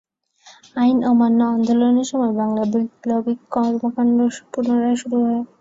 আইন অমান্য আন্দোলনের সময় বাংলায় বৈপ্লবিক কর্মকান্ড পুনরায় শুরু হয়।